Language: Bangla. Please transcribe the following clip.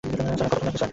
আম, কতক্ষণ লাগবে এতে?